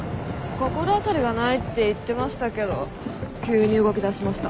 心当たりがないって言ってましたけど急に動きだしました。